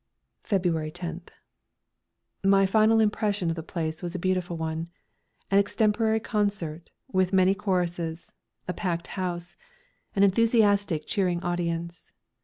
February 10th. My final impression of the place was a beautiful one. An extemporary concert, with many choruses, a packed house, an enthusiastic, cheering audience.